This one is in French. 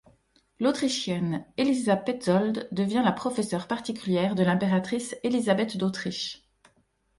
L'Autrichienne Elisa Petzold devient la professeur particulière de l’impératrice Élisabeth d’Autriche.